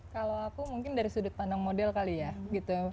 kalau aku mungkin dari sudut pandang model kali ya gitu ya